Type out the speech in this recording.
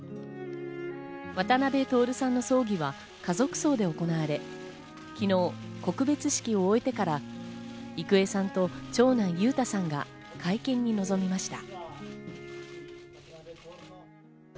渡辺徹さんの葬儀は家族葬で行われ、昨日、告別式を終えてから郁恵さんと長男・裕太さんが会見に臨みました。